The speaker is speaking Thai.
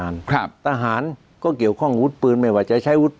อาวุธปืนที่มีกับ